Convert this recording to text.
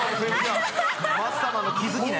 マッサマンの気付きね。